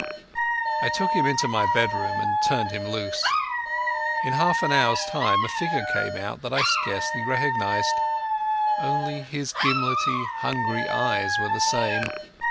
I took him into my bedroom and turned him loose. In half an hour's time a figure came out that I scarcely recognized. Only his gimlety, hungry eyes were the same.